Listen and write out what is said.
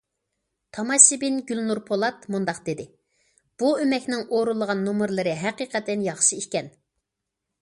تاماشىبىن گۈلنۇر پولات مۇنداق دېدى: بۇ ئۆمەكنىڭ ئورۇنلىغان نومۇرلىرى ھەقىقەتەن ياخشى ئىكەن.